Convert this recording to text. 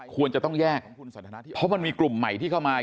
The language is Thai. ควรจะต้องแยกเพราะมันมีกลุ่มใหม่ที่เข้ามา